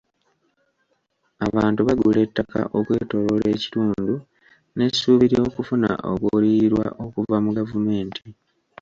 Abantu bagula ettaka ekwetooloola ekitundu n'esuubi ly'okufuna okuliyirirwa okuva mu gavumenti.